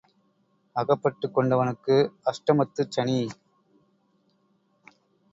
அகப்பட்டுக் கொண்டவனுக்கு அஷ்டமத்துச் சனி.